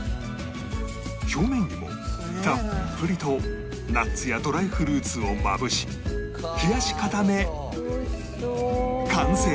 表面にもたっぷりとナッツやドライフルーツをまぶし冷やし固め完成！